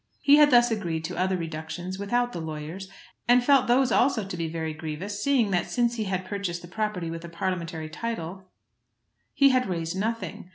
He had thus agreed to other reductions without the lawyers, and felt those also to be very grievous, seeing that since he had purchased the property with a Parliamentary title he had raised nothing.